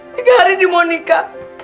tiga hari di monika